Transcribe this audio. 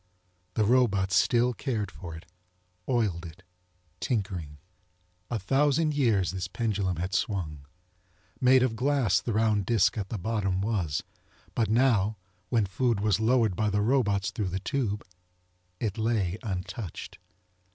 The robots still cared for it, oiled it, tinkering. A thousand years this pendulum had swung. Made of glass the round disk at the bottom was, but now when food was lowered by the robots through the tube it lay untouched.